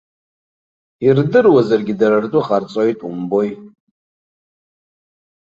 Ирдыруазаргьы дара ртәы ҟарҵоит умбои.